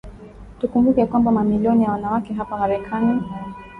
tukumbuke kwamba mamilioni ya wanawake hapa Marekani